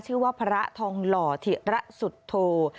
ชื่อว่าพระทองหล่อเทียะระสุดโถ